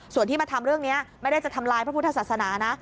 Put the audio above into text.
ส่วนที่มาทำเรื่องนี้ไม่ได้จะทำลายพระพุทธศาสนานะ